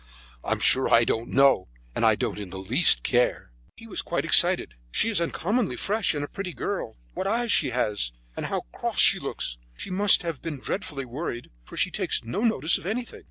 "I am sure I don't know, and I don't in the least care." He was quite excited. "She is an uncommonly fresh and pretty girl. What eyes she has, and how cross she looks. She must have been dreadfully worried, for she takes no notice of anything."